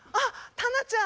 たなちゃん。